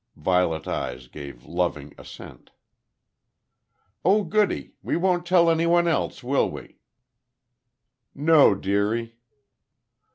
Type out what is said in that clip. Violet eyes gave loving assent. "Oh, goody! We won't tell anyone else, will we?" "No, dearie."